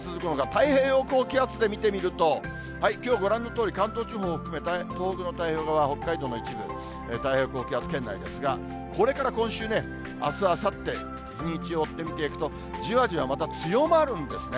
太平洋高気圧で見てみると、きょうご覧のとおり、関東地方を含めた東北の太平洋側、北海道の一部、太平洋高気圧圏内ですが、これから今週あす、あさって、日にちを追って見ていくと、じわじわまた強まるんですね。